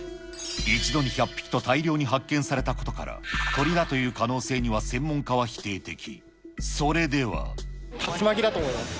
一度に１００匹と大量に発見されたことから、鳥だという可能性には専門家は否定的。